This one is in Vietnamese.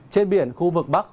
trên biển khu vực bắc